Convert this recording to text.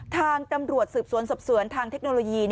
ทางตำรวจสืบสวนสอบสวนทางเทคโนโลยี